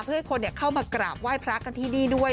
เพื่อให้คนเข้ามากราบไหว้พระกันที่นี่ด้วย